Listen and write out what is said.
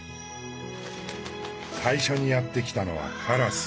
最初にやって来たのはカラス。